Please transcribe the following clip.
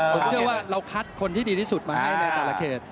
ผมเชื่อว่าเราคัดคนที่ดีที่สุดมาให้ในแต่ละเขต